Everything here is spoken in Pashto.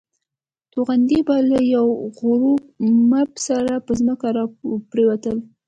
توغندي به له یو غړومب سره پر ځمکه را پرېوتل.